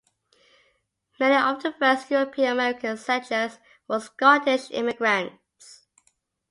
Many of the first European-American settlers were Scottish immigrants.